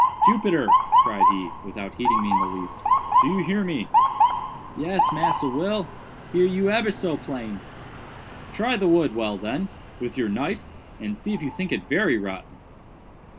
"Jupiter," cried he, without heeding me in the least, "do you hear me?" "Yes, Massa Will, hear you ebber so plain." "Try the wood well, then, with your knife, and see if you think it very rotten."